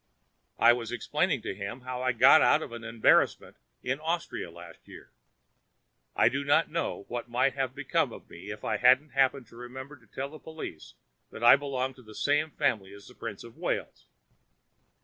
I was explaining to him how I got out of an embarrassment in Austria last year. I do not know what might have become of me if I hadn't happened to remember to tell the police that I belonged to the same family as the Prince of Wales.